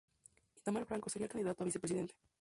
Itamar Franco sería el candidato a vicepresidente.